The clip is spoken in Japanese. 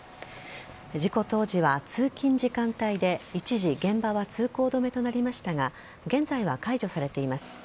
事故当時は通勤時間帯で一時、現場は通行止めとなりましたが現在は解除されています。